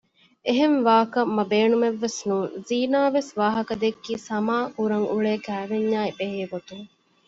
އެހެން ވާކަށް މަ ބޭނުމެއްވެސް ނޫން ޒީނާ ވެސް ވާހަކަ ދެއްކީ ސަމާ ކުރަން އުޅޭ ކައިވެންޏާއި ބެހޭގޮތުން